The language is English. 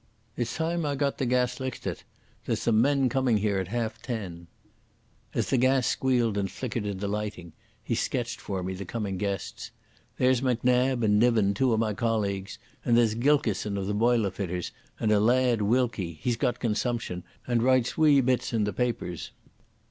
"It's time I got the gas lichtit. There's some men coming here at half ten." As the gas squealed and flickered in the lighting, he sketched for me the coming guests. "There's Macnab and Niven, two o' my colleagues. And there's Gilkison of the Boiler fitters, and a lad Wilkie—he's got consumption, and writes wee bits in the papers.